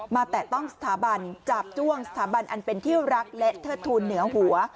แตะต้องสถาบันจาบจ้วงสถาบันอันเป็นที่รักและเทิดทูลเหนือหัว